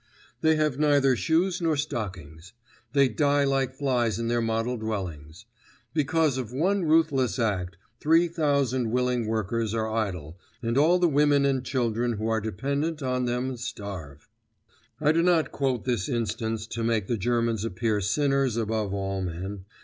They have neither shoes nor stockings. They die like flies in their model dwellings. Because of one ruthless act, three thousand willing workers are idle and all the women and children who are dependent on them starve. I do not quote this instance to make the Germans appear sinners above all men.